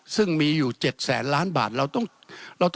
ซึ่งมีอยู่๗๐๐๐๐๐๐๐๐บาท